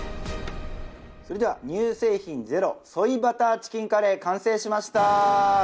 それでは乳製品ゼロソイバターチキンカレー完成しました！